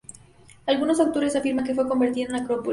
Algunos autores afirman que fue convertida en acrópolis.